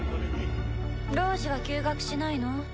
ロウジは休学しないの？